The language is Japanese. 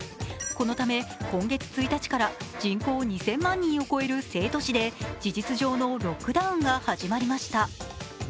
このため今月１日から人口２０００万人を超える成都市で事実上のロックダウンが始まりました。